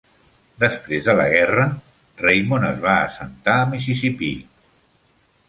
Després de la guerra, Raymond es va assentar a Mississippi.